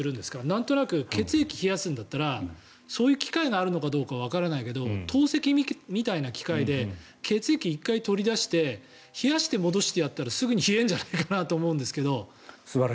なんとなく血液を冷やすんだったらそういう機械があるのかどうかわからないけど透析みたいな機械で血液を１回取り出して冷やして戻したら早いんじゃないかと思うんですけど。